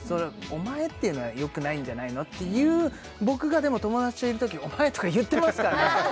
「お前」っていうのはよくないんじゃないのっていう僕がでも友達といるとき「お前」とか言ってますからね